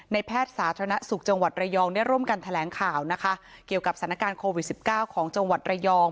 แพทย์สาธารณสุขจังหวัดระยองได้ร่วมกันแถลงข่าวนะคะเกี่ยวกับสถานการณ์โควิดสิบเก้าของจังหวัดระยอง